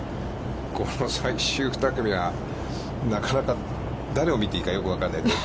この最終２組は、なかなか、誰を見ていいか、よく分からないというか。